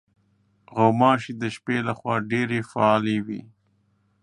غوماشې د شپې له خوا ډېرې فعالې وي.